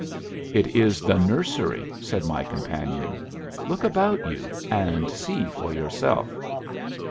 "It is the nursery," said my companion. "Look about you and see for yourself."